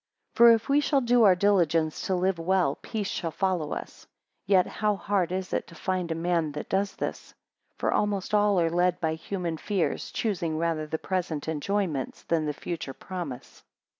7 For, if we shall do our diligence to live well, peace shall follow us. And yet how hard is it to find a man that does this? For almost all are led by human fears, choosing rather the present enjoyments, than the future promise.